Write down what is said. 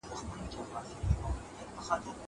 زه موبایل نه کاروم.